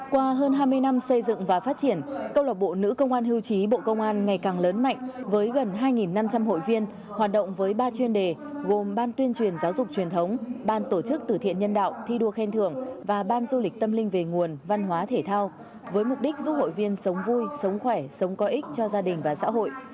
qua hơn hai mươi năm xây dựng và phát triển câu lạc bộ nữ công an hưu trí bộ công an ngày càng lớn mạnh với gần hai năm trăm linh hội viên hoạt động với ba chuyên đề gồm ban tuyên truyền giáo dục truyền thống ban tổ chức tử thiện nhân đạo thi đua khen thưởng và ban du lịch tâm linh về nguồn văn hóa thể thao với mục đích giúp hội viên sống vui sống khỏe sống có ích cho gia đình và xã hội